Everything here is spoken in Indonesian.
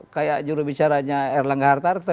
kayak jurubicaranya erlaga hartarto